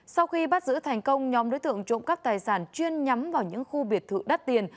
sau khi bắt giữ thành công nhóm đối tượng trộm cắp tài sản chuyên nhắm vào những khu biệt thự đắt tiền